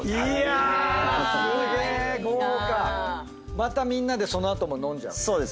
またみんなでその後も飲んじゃうみたいな。